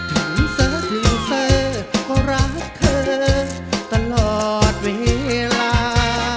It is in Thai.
ถึงเธอถึงเธอก็รักเธอตลอดเวลา